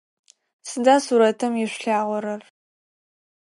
Сыда сурэтым ишъулъагъорэр?